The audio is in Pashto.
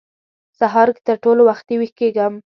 سهار کې تر ټولو وختي وېښ کېږم.